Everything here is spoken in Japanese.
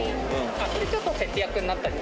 ちょっと節約になった？